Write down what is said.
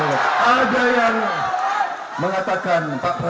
dengan senjata yang diberikan oleh rakyat